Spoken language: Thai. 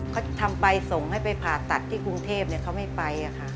เขาทำไปส่งให้ไปผ่าตัดที่กรุงเทพเขาไม่ไป